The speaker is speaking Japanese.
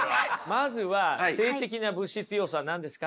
まずは「静的な物質要素」は何ですか？